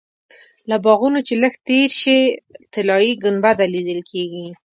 له باغونو چې لږ تېر شې طلایي ګنبده لیدل کېږي.